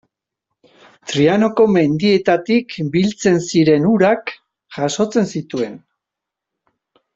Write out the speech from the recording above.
Trianoko mendietatik biltzen ziren urak jasotzen zituen.